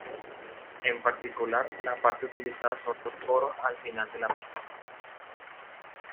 En particular, la parte utilizada son los coros al final de la pista.